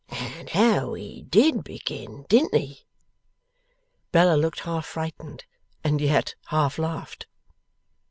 And how he DID begin; didn't he!' Bella looked half frightened, and yet half laughed.